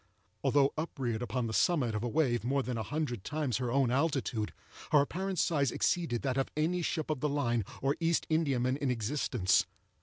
Although upreared upon the summit of a wave more than a hundred times her own altitude, her apparent size exceeded that of any ship of the line or East Indiaman in existence.